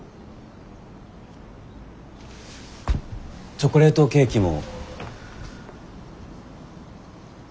チョコレートケーキも。